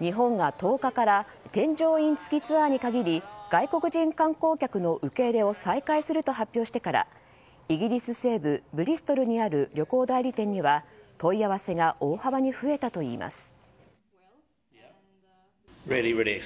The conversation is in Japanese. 日本が１０日から添乗員付きツアーに限り外国人観光客の受け入れを再開すると発表してからイギリス西部ブリストルにある旅行代理店には問い合わせが大幅に増えたといいます。